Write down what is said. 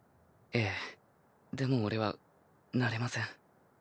えぇでもオレはなれません。